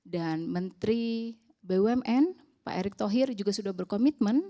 menteri bumn pak erick thohir juga sudah berkomitmen